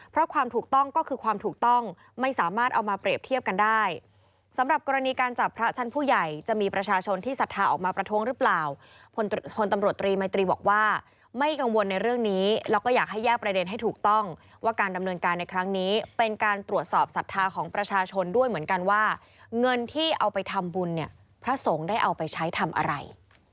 เพราะความถูกต้องก็คือความถูกต้องไม่สามารถเอามาเปรียบเทียบกันได้